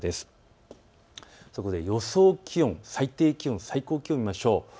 そこで予想気温、最低気温、最高気温を見ましょう。